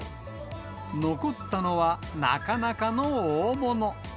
残ったのはなかなかの大物。